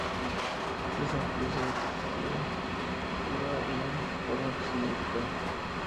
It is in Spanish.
Es un queso de textura dura y forma cilíndrica.